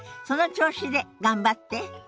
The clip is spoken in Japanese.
その調子で頑張って！